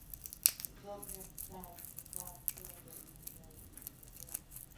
The program starts for an Australian when they are born.